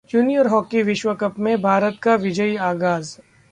junior hockey विश्व cup में भारत का विजयी आगाज